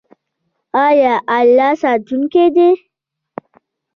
آیا الله ساتونکی دی؟